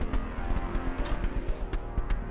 semoga ini berhasil